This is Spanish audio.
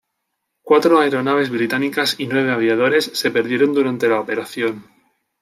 Cuatro aeronaves británicas y nueve aviadores se perdieron durante la operación.